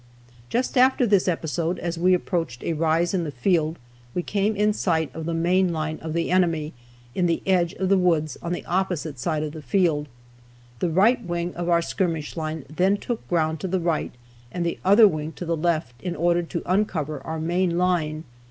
Just after this episode, as we approached a rise in the field we came in sight of the main line of the enemy, in the edge of the woods on the opposite side of the field. The right wing of our skirmish line then took ground to the right and the other wing to the left in order to uncover our main line.